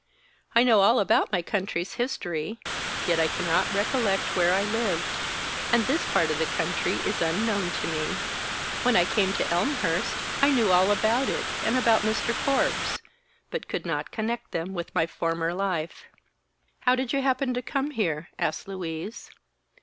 I know all about my country's history, yet I cannot recollect where I lived, and this part of the country is unknown to me. When I came to Elmhurst I knew all about it and about Mr. Forbes, but could not connect them with my former life." "How did you happen to come here?" asked Louise.